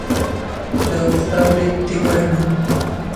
د خاوري دیوالونه